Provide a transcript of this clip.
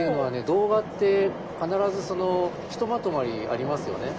動画って必ずひとまとまりありますよね。